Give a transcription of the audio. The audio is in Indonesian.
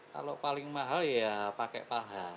kalau paling mahal ya pakai paha